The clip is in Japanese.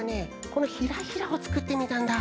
このヒラヒラをつくってみたんだ。